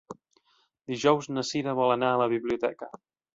Dijous na Cira vol anar a la biblioteca.